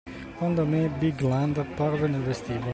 Quando May Bigland apparve nel vestibolo.